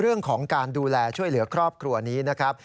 เรื่องของการดูแลช่วยเหลือครอบครัวนี้นะครับ